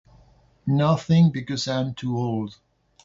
Nothing because I'm too old.